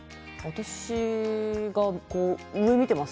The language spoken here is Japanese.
私が上を見ています